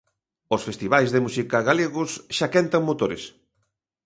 Os festivais de música galegos xa quentan motores.